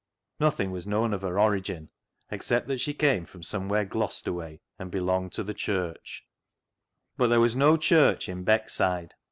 Nothing was known of her origin, except that she came from somewhere Gloucester way, and belonged to the Church. But there was no church in Beckside.